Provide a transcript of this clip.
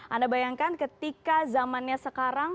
anda bayangkan ketika zamannya sekarang